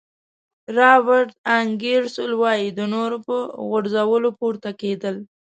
رابرټ انګیرسول وایي د نورو په غورځولو پورته کېدل.